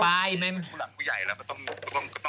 แล้วก็ต้องมีมารัยาทอย่างบ้างนะคะ